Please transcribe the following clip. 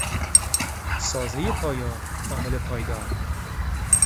سازهی پایا، عامل پایدار